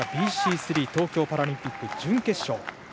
３東京パラリンピック準決勝。